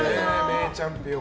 チャンピオン。